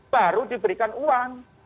baru diberikan uang